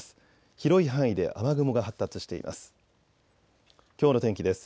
広い範囲で雨雲が発達しています。